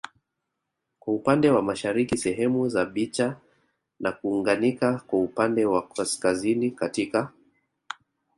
kwa upande wa mashariki sehemu za Bicha na kuunganika kwa upande wa kaskazini katika